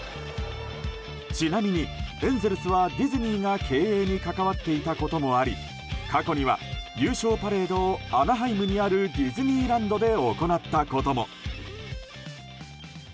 ちなみに、エンゼルスはディズニーが経営に関わっていたこともあり過去には優勝パレードをアナハイムにあるディズニーランドで行ったことも。